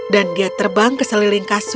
dan dia terbang ke seliling kasar tempat mu